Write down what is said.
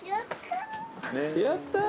やったぁ。